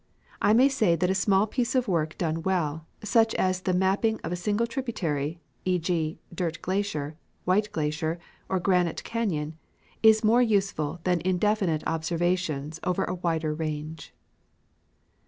I may say that a small piece of work done well, such as the mapping of a single tributary — e. g., Dirt glacier, White glacier, or Granite canyon — is more useful than indefinite observations over a wider range.